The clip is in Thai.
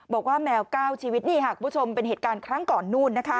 บอกว่าแมวก้าวชีวิตนี่ค่ะคุณผู้ชมเป็นเหตุการณ์ครั้งก่อนนู้นนะคะ